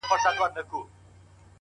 د وخت ضایع تاوان خاموشه دی.!